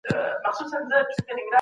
د سګرټ لوګی ماشومانو ته زیان رسوي.